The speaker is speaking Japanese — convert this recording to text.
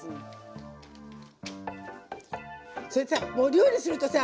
それでさお料理するとさ